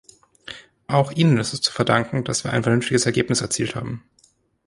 Auch ihnen ist es zu verdanken, dass wir ein vernünftiges Ergebnis erzielt haben.